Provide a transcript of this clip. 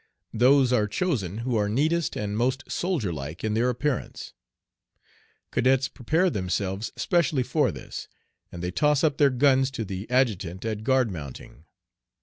Those are chosen who are neatest and most soldierlike in their appearance. Cadets prepare themselves specially for this, and they toss up their guns to the adjutant at guard mounting.